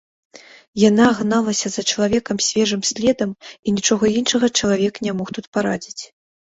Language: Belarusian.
Яна гналася за чалавекам свежым следам, і нічога іншага чалавек не мог тут парадзіць.